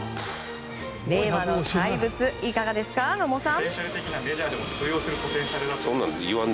令和の怪物、いかがですか野茂さん。